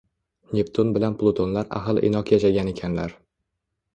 Neptun bilan Plutonlar ahil-inoq yashagan ekanlar